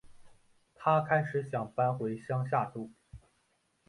她开始想搬回乡下住